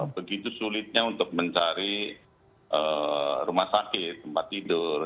begitu sulitnya untuk mencari rumah sakit tempat tidur